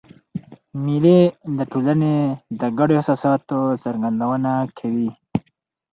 مېلې د ټولني د ګډو احساساتو څرګندونه کوي.